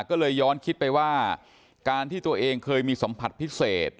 ก็เลยย้อนคิดไปว่าการที่ตัวเองเคยมีสัมผัสพิเศษ